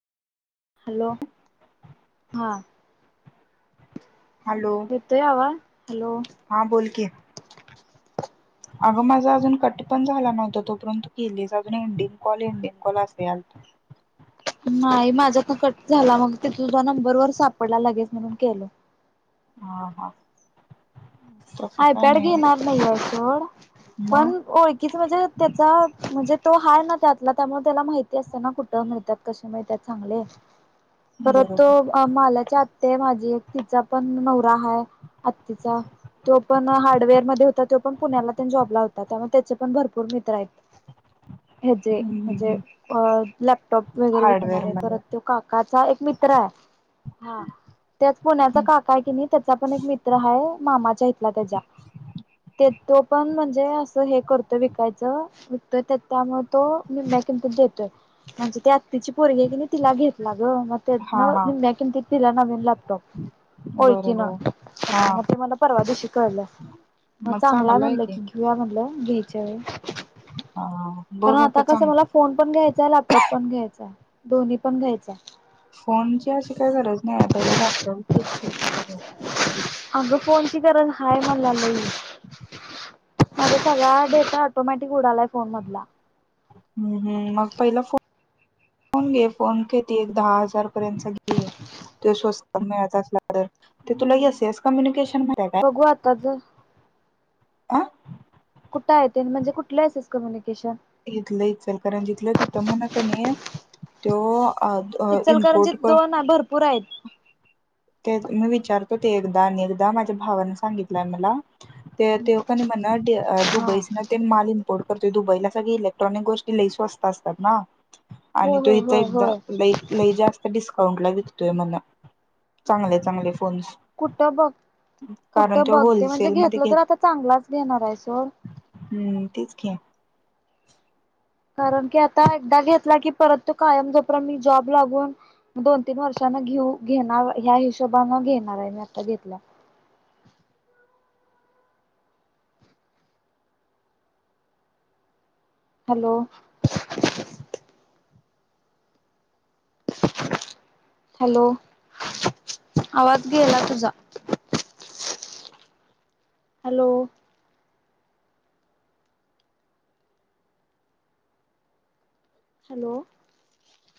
Hello हा hello येतो आवा हॅलो. हा बोल की अगं माझा अजून कट पण झाला नव्हता तो पर्यंत केल्लीस अजून एंडिंग कॉल एंडिंग कॉल असते [inaudible] नाही माझ कट झाला मग ते तुझा नंबरवर सापडला लगेच म्हणून केलं. हा हा. तसं काय आयपॅड नाही घेणार नाहीये सोड मग पण ओळखीच म्हणजे त्याचा म्हणजे तो हाय त्यातला त्यामुळे त्याला माहिती असताना कुठं मिळतात, कशे मिळतात चांगले. परत तो बरोबर अ मालाच्या आ ते माझी एक तिचा पण नवरा हाय आत्तीचा तो पण हार्डवेअरमध्ये होता तो पण पुण्याला तेन जॉबला होता त्यामुळे त्याचे पण भरपूर मित्र आहेत. हे जे हम्म हम्म म्हणजे हम्म अ लॅपटॉप वगैरे हार्डवेअर विकणार आहे मध्ये परत तो काकाचा मित्रा हा त्याच पुण्याचा काका आहे कि नाही त्याचा पण एक मित्र आहे मामाच्या आता जा ते तो पण म्हणजे असं हे करतो विकायचं तो त्यामुळे तो मीमे [unintelligible] देतोय म्हणजे आत्ची परगी क तिला घेतला जो म हा त्यातनं हा मी मॅकिन किती. [unintelligible] तो होय की न बरोबर हा म ते मला परवा दिवशी पडला मग चांगला म्हणलं की घेऊया म्हणलं भी चय हा कारण बघ अगं आता कसं चांग मला फोन पण घ्यायचाय, लॅपटॉप पण घ्यायचाय दोन्ही पण घ्यायचय. फोनची अशी काय गरज नाही पहिला लॅप टॉप घ्यायचाच. अगं फोनची [inaudible] गरज हाय मला लई माझा सगळा डेटा ऑटोमॅटिक उडालाय फोन मधला. हम्म हम्म मग पहिला फो फोन घे फोन कती एक दहा हजार पर्यंत घे ते स्वस्त मिळत असला [unintelligible] ते तुला येस येस कम्युनिकेशन माहितीय बघू आता काय? जर आ कुठं आहेे तेन म्हणजे कुठले येस येस कम्युनिकेशन? इथलं सनकरान जिथलं तिथं म्ह का नी तो आद अ इम्पोर्ट इचलकरंजीत का दोन भरपूर आहेत ते मी विचारतो ते एकदा आणि एकदा माझ्या भावाने सांगितलंय मला ते ते कणी म्हण डी अ हा दुबईच ना ते मालिन पोर्ट करतो दुबईला सगळी इलेक्ट्रॉनिक गोष्टी लई स्वस्त असतात ना आणि होय तो होय इथं होय एकदा होय लई लई जास्त डिस्काउंट ला विकतोय म्हणा. चांगले चांगले. कुठं बघ कारण कुठं तो बघते म्हणजे होलसेलमध्ये घेतलं घेत तर आता चांगलाच घेणार आहे सो. हम्म तेच की. कारण की आता एकदा घेतला की परत तू कायम झोपरन मी जॉब लागून दोन-तीन वर्ष ना घेऊ घेणार ह्या हिशोबने घेणार आहे मी आता घेतल्या. हॅलो हॅलो आवाज गेला तुझा. Hello hello